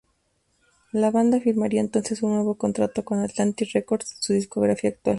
La banda firmaría entonces un nuevo contrato con Atlantic Records, su discográfica actual.